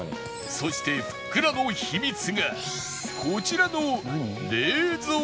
そしてふっくらの秘密がこちらの冷蔵庫